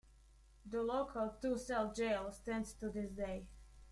The local two-cell jail stands to this day.